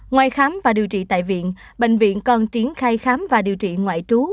ngoài khám và điều trị tại viện bệnh viện còn triển khai khám và điều trị ngoại trú